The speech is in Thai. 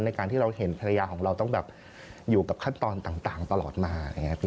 ในการที่เราเห็นทะเลยาของเราต้องอยู่กับขั้นตอนต่างตลอดมา